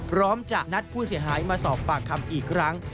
พร้อมจะนัดผู้เสียหายมาสอบปากคำอีกครั้ง